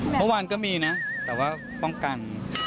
เมื่อวานก็มีนะแต่ว่าป้องกัน